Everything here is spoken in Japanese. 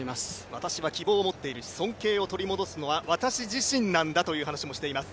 私は希望を持っているし、尊敬を取り戻すのは私自身なんだという話もしています。